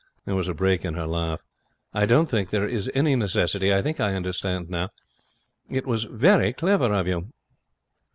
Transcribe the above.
There was a break in her laugh. 'I don't think there is any necessity. I think I understand now. It was very clever of you.'